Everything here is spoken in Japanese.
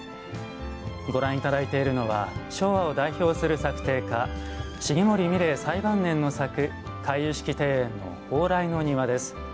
ご覧いただいているのは昭和を代表する作庭家重森三玲、最晩年の作回遊式庭園の蓬莱の庭です。